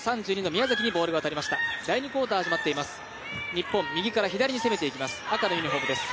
日本、右から左に攻めていきます、赤のユニフォームです。